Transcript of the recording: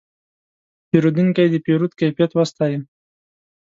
پیرودونکی د پیرود کیفیت وستایه.